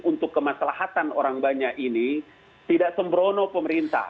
untuk kemaslahatan orang banyak ini tidak sembrono pemerintah